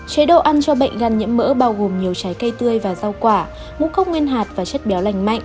chế độ ăn cho bệnh gan nhiễm mỡ bao gồm nhiều trái cây tươi và rau quả ngũ cốc nguyên hạt và chất béo lành mạnh